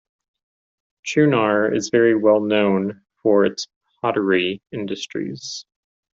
Chunar is very well known for its pottery industries.